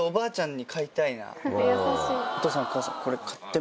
お父さんお母さん。